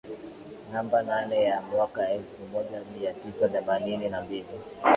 namba nane ya mwaka elfu moja mia tisa themanini na mbili